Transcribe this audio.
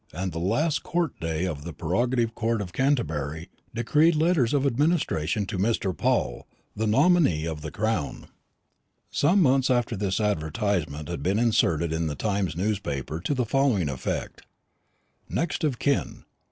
And last court day the Prerogative Court of Canterbury decreed letters of Administration to Mr. Paul, the nominee of the Crown." Some months after this an advertisement had been inserted in the Times newspaper to the following effect: "NEXT OF KIN.